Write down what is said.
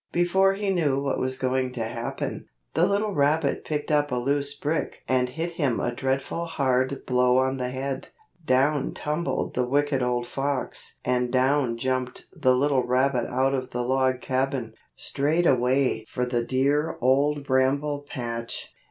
Before he knew what was going to happen, the little rabbit picked up a loose brick and hit him a dreadful hard blow on the head. Down tumbled the wicked old fox and down jumped the little rabbit and out of the Log Cabin, straight away for the dear Old Bramble Patch.